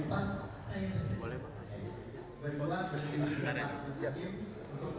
apakah perangkatnya berbeda atau mau diberikan satu satu